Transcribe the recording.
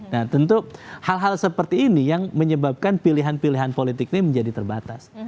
nah tentu hal hal seperti ini yang menyebabkan pilihan pilihan politik ini menjadi terbatas